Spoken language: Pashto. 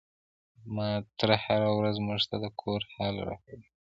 زما تره هره ورځ موږ ته د کور حال راکوي.